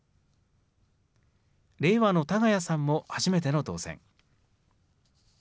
れいわの多ケ谷さんも初めての当選。